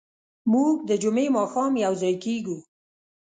موږ د جمعې ماښام یوځای کېږو.